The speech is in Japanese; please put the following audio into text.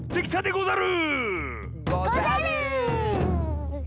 ござる！